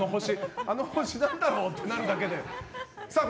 あの星何だろうってなるだけで。